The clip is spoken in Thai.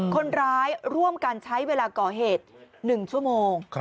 คนร้ายร่วมกันใช้เวลาก่อเหตุ๑ชั่วโมง